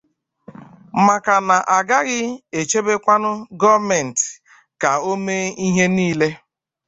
maka na a gaghị echebekwanụ gọọmentị ka o mee ihe niile.